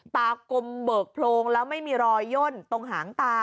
กลมเบิกโพรงแล้วไม่มีรอยย่นตรงหางตา